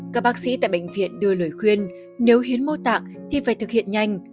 các bác sĩ tại bệnh viện đưa lời khuyên nếu hiến mô tạng thì phải thực hiện nhanh